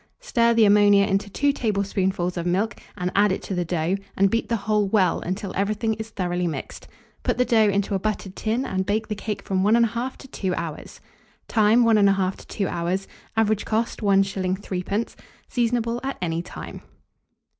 Stir the ammonia into 2 tablespoonfuls of milk and add it to the dough, and beat the whole well, until everything is thoroughly mixed. Put the dough into a buttered tin, and bake the cake from 1 1/2 to 2 hours. Time. 1 1/2 to 2 hours. Average cost, 1s. 3d. Seasonable at any time.